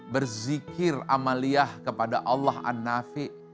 berzikir amaliyah kepada allah an nafi